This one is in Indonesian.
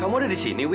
kamu ada di sini wi